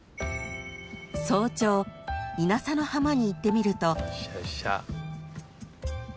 ［早朝稲佐の浜に行ってみると］